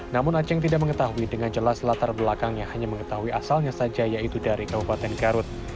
namun aceh tidak mengetahui dengan jelas latar belakangnya hanya mengetahui asalnya saja yaitu dari kabupaten garut